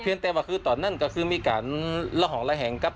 แต่ว่าคือตอนนั้นก็คือมีการละห่องระแหงครับ